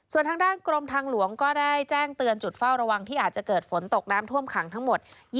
ส่วนทางด้านกรมทางหลวงก็ได้แจ้งเตือนจุดเฝ้าระวังที่อาจจะเกิดฝนตกน้ำท่วมขังทั้งหมด